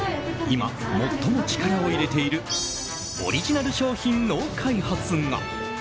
今、最も力を入れているオリジナル商品の開発が。